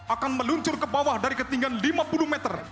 akan meluncur ke bawah dari ketinggian lima puluh meter